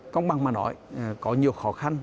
công bằng mà nói có nhiều khó khăn